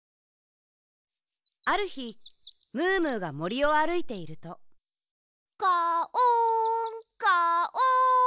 あるひムームーがもりをあるいているとカオンカオン。